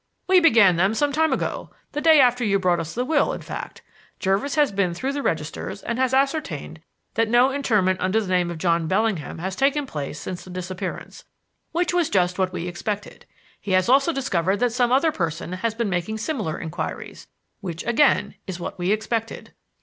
"We began them some time ago the day after you brought us the will, in fact. Jervis has been through the registers and has ascertained that no interment under the name of John Bellingham has taken place since the disappearance; which was just what we expected. He has also discovered that some other person has been making similar inquiries; which, again, is what we expected."